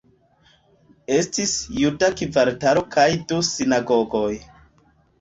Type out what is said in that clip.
Estis juda kvartalo kaj du sinagogoj.